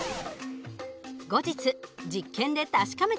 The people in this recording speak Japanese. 後日実験で確かめてみました。